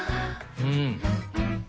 うん。